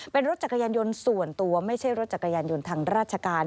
เป็นรถจักรยานยนต์ส่วนตัวไม่ใช่รถจักรยานยนต์ทางราชการ